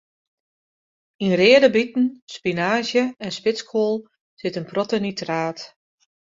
Yn reade biten, spinaazje en spitskoal sit in protte nitraat.